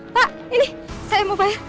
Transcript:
pak ini saya mau bayar